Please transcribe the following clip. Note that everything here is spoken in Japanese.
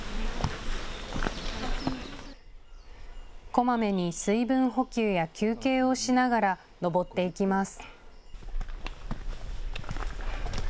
こまめに水分補給や休憩をしながら登っていきます。